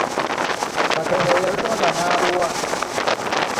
Katonda ye yalutonda n’aluwa